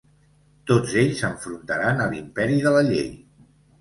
Tots ells s’enfrontaran a l’imperi de la llei.